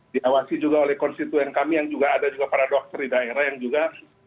diawasi juga oleh konstituen kami yang juga ada juga para dokter di daerah yang juga